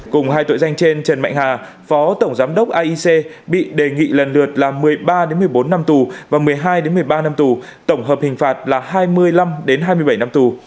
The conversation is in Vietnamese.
cùng hai tội danh trên trần mạnh hà phó tổng giám đốc aic bị đề nghị lần lượt là một mươi ba một mươi bốn năm tù và một mươi hai một mươi ba năm tù tổng hợp hình phạt là hai mươi năm hai mươi bảy năm tù